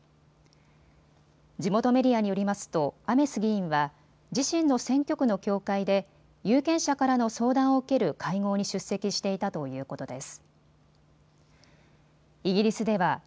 地元メディアによりますとアメス議員は自身の選挙区の教会で有権者からの相談を受ける会合に出席していたということです。